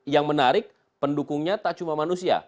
yang menarik pendukungnya tak cuma manusia